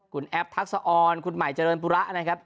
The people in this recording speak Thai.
คุณแอปทักษะออนคุณใหม่เจริญปุระนะครับ